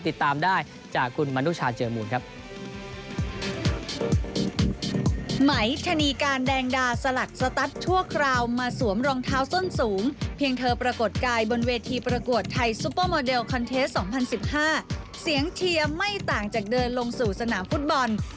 ติดตามได้จากคุณมนุชาเจอมูลครับ